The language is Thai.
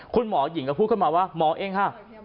คุณหมอหญิงก็พูดขึ้นมาว่าหมอเองค่ะ